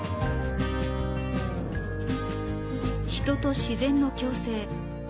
人と自然の共生。